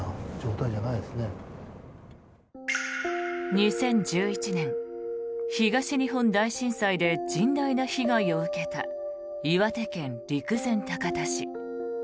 ２０１１年、東日本大震災で甚大な被害を受けた岩手県陸前高田市。